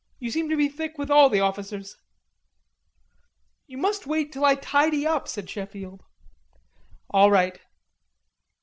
You seem to be thick with all the officers." "You must wait till I tidy up," said Sheffield. "All right."